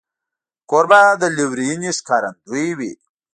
کوربه د لورینې ښکارندوی وي.